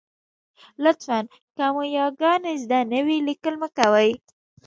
لطفاً! که مو یاګانې زده نه وي، لیکل مه کوئ.